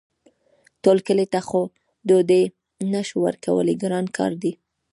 ټول کلي ته خو ډوډۍ نه شو ورکولی ګران کار دی.